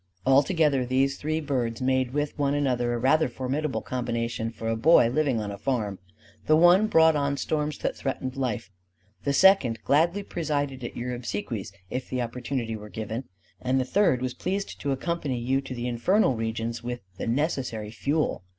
Altogether these three birds made with one another a rather formidable combination for a boy living on a farm: the one brought on storms that threatened life; the second gladly presided at your obsequies, if the opportunity were given; and the third was pleased to accompany you to the infernal regions with the necessary fuel.